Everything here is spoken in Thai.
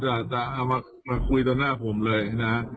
เค้ายอมจะออกมาคุยตะหน้าผมเลยนะคะ